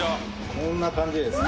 こんな感じですね